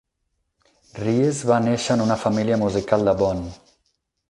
Ries va nàixer en una família musical de Bonn.